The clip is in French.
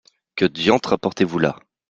Que diantre apportez-vous là ?